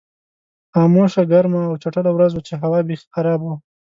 خاموشه، ګرمه او چټله ورځ وه چې هوا بېخي خرابه وه.